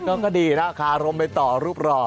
ก็ดีนะคารมไปต่อรูปรอ